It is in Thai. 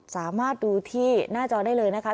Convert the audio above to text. สามารถดูที่หน้าจอได้เลยนะคะ